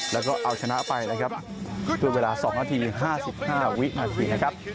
แล้วก็เอาชนะไปคือเวลา๒นาที๕๕วินาที